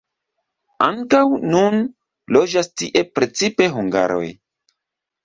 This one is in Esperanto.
Ankaŭ nun loĝas tie precipe hungaroj.